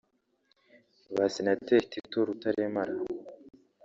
Ba Senateri Tito Rutaremara